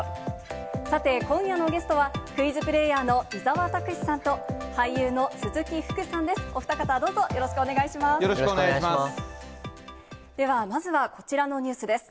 さて、今夜のゲストはクイズプレーヤーの伊沢拓司さんと、俳優の鈴木福さんです。